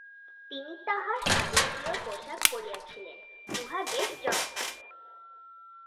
তিনি তাঁহার স্বদেশীয় পোষাক পরিয়াছিলেন, উহা বেশ জমকালো।